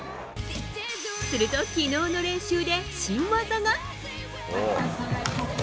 すると昨日の練習で新技が。